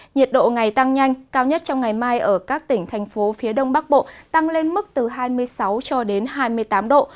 nhiệt độ ngày tăng nhanh cao nhất trong ngày mai ở các tỉnh thành phố phía đông bắc bộ tăng lên mức từ hai mươi sáu cho đến hai mươi tám độ